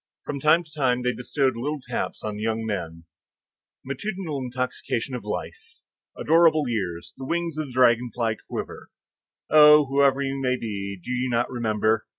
From time to time they bestowed little taps on the young men. Matutinal intoxication of life! adorable years! the wings of the dragonfly quiver. Oh, whoever you may be, do you not remember?